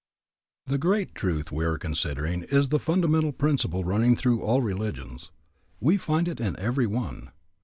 The great truth we are considering is the fundamental principle running through all religions. We find it in every one.